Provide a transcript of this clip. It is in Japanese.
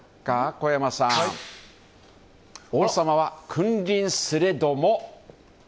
小山さん王様は君臨すれども。